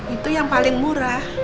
itu yang paling murah